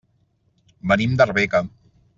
Venim d'Arbeca.